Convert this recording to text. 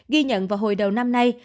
ghi nhận vào hồi đầu năm nay